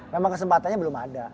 memang kesempatannya belum ada